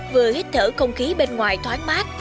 vừa hít thở không khí bên ngoài thoáng mát